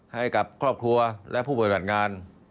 ให้กับครอบครัวและผู้ปฏิบัติงาน